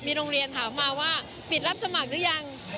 โรงเรียนถามมาว่าปิดรับสมัครหรือยัง